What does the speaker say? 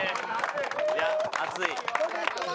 いや熱い。